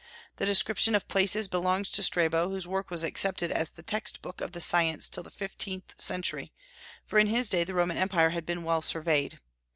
The description of places belongs to Strabo, whose work was accepted as the text book of the science till the fifteenth century, for in his day the Roman empire had been well surveyed.